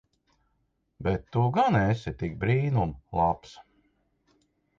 Bet tu gan esi tik brīnum labs.